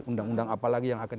undang undang apa yang kita lakukan